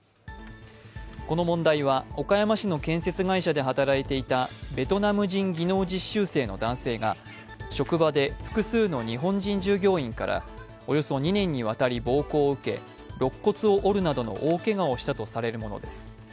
この問題は岡山市の建設会社で働いていたベトナム人技能実習生の男性が職場で複数の日本人従業員からおよそ２年にわたり暴行を受けろっ骨を折るなどの大けがをされるものです。